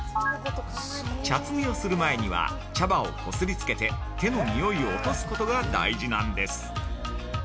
茶摘みをする前には、茶葉をこすりつけて手のにおいを落とすことが大事なんです。